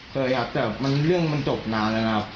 เคยครับแต่เรื่องมันจบนานแล้วนะครับ